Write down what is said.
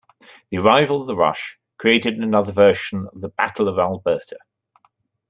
The arrival of the Rush created another version of "The Battle Of Alberta".